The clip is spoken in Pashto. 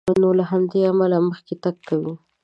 نو له همدې امله مخکې تګ کوي.